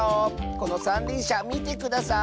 このさんりんしゃみてください。